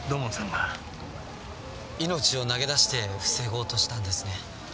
命を投げ出して防ごうとしたんですね。